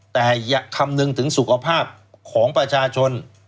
แต่อย่าคำนึงถึงสุขภาพของประชาชน